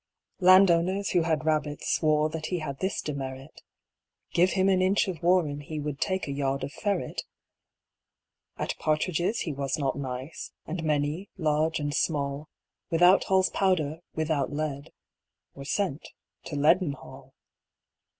Land owners, who had rabbits, swore That he had this demerit Give him an inch of warren, he Would take a yard of ferret. At partridges he was not nice; And many, large and small, Without Hall's powder, without lead, Were sent to Leaden Hall.